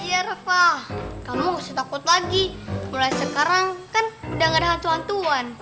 iya rafa kamu usah takut lagi mulai sekarang kan udah gak ada hantu hantuan